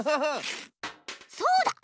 そうだ！